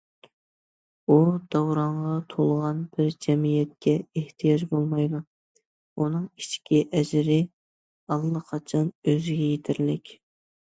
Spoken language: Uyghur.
ئۇ، داۋراڭغا تولغان بىر جەمئىيەتكە ئېھتىياج بولمايدۇ، ئۇنىڭ ئىچكى ئەجرى ئاللىقاچان ئۆزىگە يېتەرلىك.